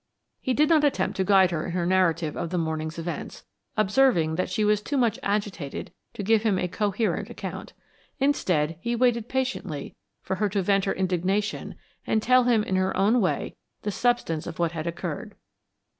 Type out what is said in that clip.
He did not attempt to guide her in her narrative of the morning's events, observing that she was too much agitated to give him a coherent account. Instead, he waited patiently for her to vent her indignation and tell him in her own way the substance of what had occurred.